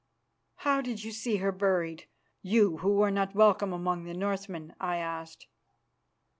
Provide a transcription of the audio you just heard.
"How did you see her buried, you who are not welcome among the Northmen?" I asked.